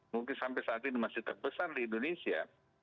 mungkin sampai saat ini masih terbesar di indonesia